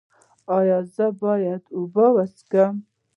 ایا زه باید اوبه وڅښم؟